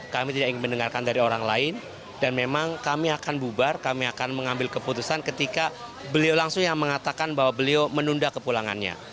kami tidak ingin mendengarkan dari orang lain dan memang kami akan bubar kami akan mengambil keputusan ketika beliau langsung yang mengatakan bahwa beliau menunda kepulangannya